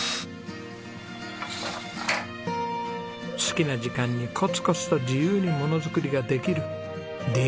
好きな時間にコツコツと自由にもの作りができる。